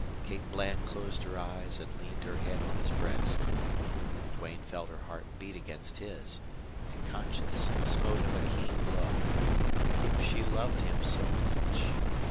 Kate Bland closed her eyes and leaned her head on his breast. Duane felt her heart beat against his, and conscience smote him a keen blow. If she loved him so much!